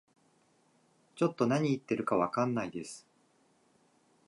ちょっと何言ってるかわかんないです